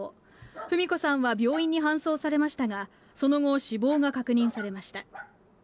フミ子さんは病院に搬送されましたが、その後、死亡が確認されました。